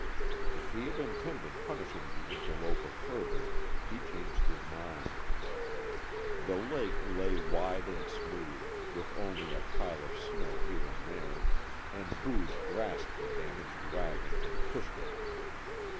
If he had intended punishing the interloper further, he changed his mind. The lake lay wide and smooth, with only a pile of snow here and there, and Booge grasped the damaged wagon and pushed it.